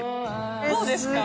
どうですか？